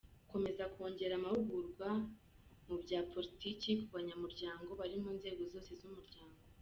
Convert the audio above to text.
Gukomeza kongera amahugurwa mu bya Politiki ku banyamuryango bari mu nzego zose z’Umuryango;.